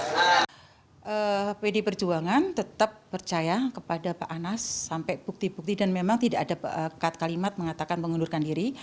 pertama pd perjuangan tetap percaya kepada pak anas sampai bukti bukti dan memang tidak ada kalimat mengatakan mengundurkan diri